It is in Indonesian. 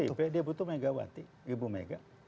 dia butuh pdip dia butuh megawati ibu mega